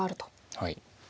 はい。